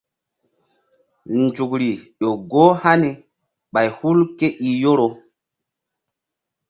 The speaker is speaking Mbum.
Nzukr ƴo goh hani ɓay hul ké i Yoro.